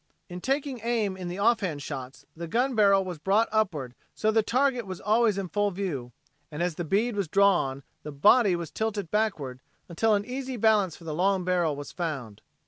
In taking aim in the offhand shots the gun's barrel was brought upward so the target was always in full view, and as the bead was drawn the body was tilted backward until an easy balance for the long barrel was found.